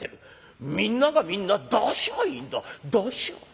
みんながみんな出しゃいいんだ出しゃ。